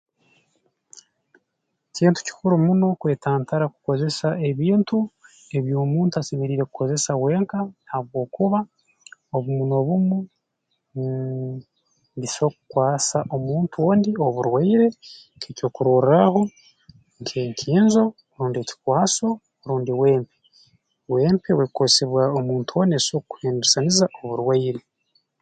Kintu kikuru muno kwetantara kukozesa ebintu ebi omuntu asemeriire kukozesa wenka habwokuba obumu n'obumu mh biso kukwasa omuntu ondi oburwaire nk'ekyokurorraaho nk'enkinzo rundi ekikwaso rundi wempe wempe obu ekukozesebwa omuntu ondi neso kukuhembesaniza ekuhe oburwaire